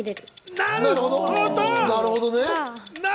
なるほどね。